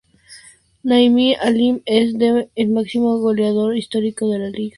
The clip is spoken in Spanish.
Nazim Aliyev es ek máximo goleador histórico de la liga.